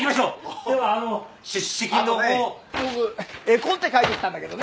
僕絵コンテ描いてきたんだけどね。